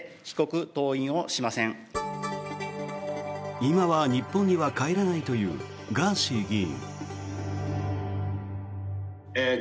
今は日本には帰らないというガーシー議員。